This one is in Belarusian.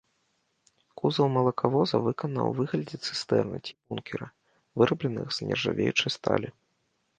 Кузаў малакавоза выканан у выглядзе цыстэрны ці бункера, вырабленых з нержавеючай сталі.